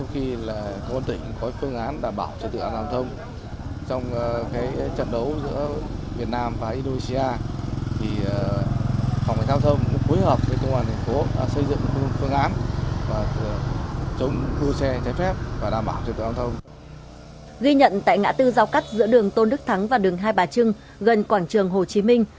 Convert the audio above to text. hàng trăm cám bộ chiến sĩ công an tp vĩnh yên ghi nhận tại ngã tư giao cắt giữa đường tôn đức thắng và đường hai bà trưng gần quảng trường hồ chí minh